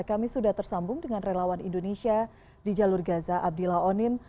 kami sudah tersambung dengan relawan indonesia di jalur gaza abdillah onim